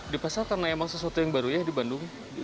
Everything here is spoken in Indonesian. di pasar karena emang sesuatu yang baru ya di bandung